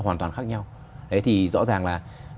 hoàn toàn khác nhau thế thì rõ ràng là